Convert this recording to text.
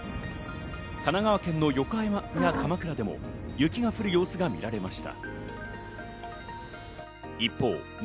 神奈川県の鎌倉でも雪が降る様子が見られました。